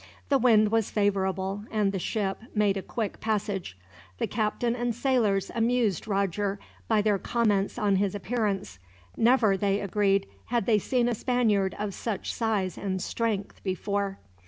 The wind was favorable, and the ship made a quick passage. The captain and sailors amused Roger by their comments on his appearance. Never, they agreed, had they seen a Spaniard of such size and strength before.